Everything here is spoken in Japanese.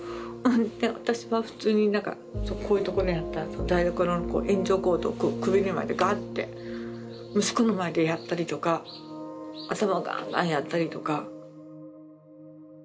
で私は普通に何かこういうところにあった台所の延長コードをこう首に巻いてガーッて息子の前でやったりとか頭ガンガンやったりとか。